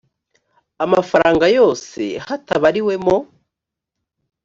amafaranga yose hatabariwemo